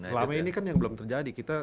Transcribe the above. selama ini kan yang belum terjadi